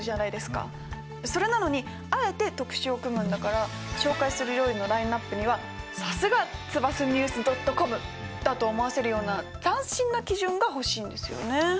それなのにあえて特集を組むんだから紹介する料理のラインナップにはさすが「ＴＳＵＢＡＳＡ−ＮＥＷＳ．ｃｏｍ」だと思わせるような斬新な基準が欲しいんですよね。